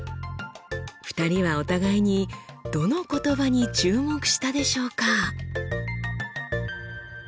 ２人はお互いにどの言葉に注目したでしょうか？